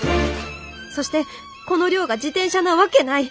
そしてこの量が自転車なわけない。